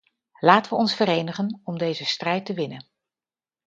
Laten we ons verenigen om deze strijd te winnen.